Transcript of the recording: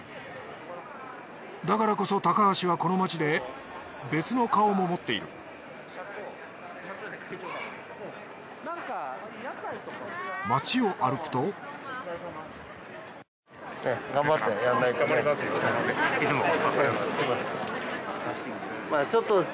だからこそ高橋はこの街で別の顔も持っている街を歩くと頑張ります。